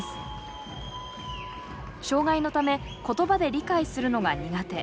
障害のため言葉で理解するのが苦手。